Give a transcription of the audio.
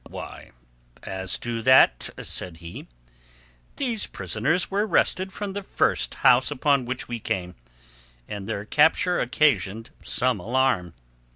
"Why, as to that," said he, "these prisoners were wrested from the first house upon which we came, and their capture occasioned some alarm.